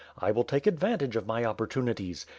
I will take ad vantage of my opportunities.